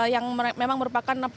yang memang merupakan penyelidikan